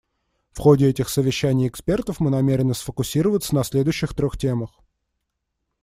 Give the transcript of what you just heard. В ходе этих совещаний экспертов мы намерены сфокусироваться на следующих трех темах.